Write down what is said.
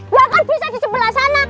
ya kan bisa di sebelah sana